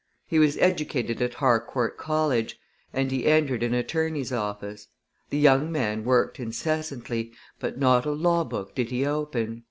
He was educated at Harcourt College, and he entered an attorney's office. The young man worked incessantly, but not a law book did he open.